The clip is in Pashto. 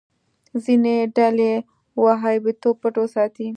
ځینې ډلې وهابيتوب پټ وساتي.